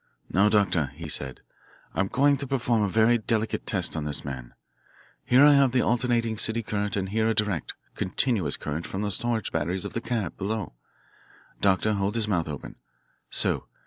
"Now, Doctor," he said, "I'm going to perform a very delicate test on this man. Here I have the alternating city current and here a direct, continuous current from the storage batteries of the cab below. Doctor, hold his mouth open. So.